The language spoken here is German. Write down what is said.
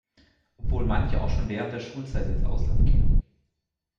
Obwohl manche auch schon während der Schulzeit ins Ausland gehen.